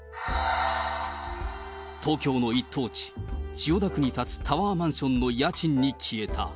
東京の一等地、千代田区に建つタワーマンションの家賃に消えた。